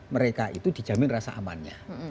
mereka itu dijamin rasa amannya